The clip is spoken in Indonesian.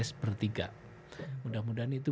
sepertiga mudah mudahan itu